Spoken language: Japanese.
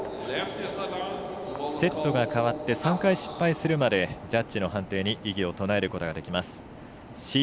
セットが変わって３回失敗するまでジャッジの判定に異議を唱えることができます。